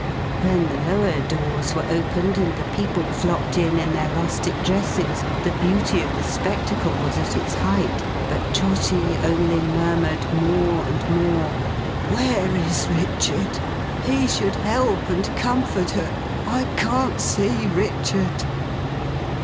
When the lower doors were opened, and the people flocked in, in their rustic dresses, the beauty of the spectacle was at its height; but Trotty only murmured more and more, 'Where is Richard! He should help and comfort her! I can't see Richard!